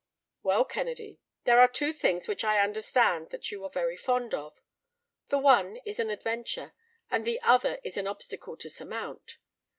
"Well, Kennedy, there are two things which I understand that you are very fond of. The one is an adventure, and the other is an obstacle to surmount.